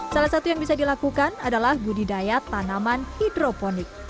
salah satu yang bisa dilakukan adalah budidaya tanaman hidroponik